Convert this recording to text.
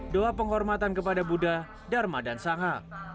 doa penghormatan kepada buddha dharma dan sangha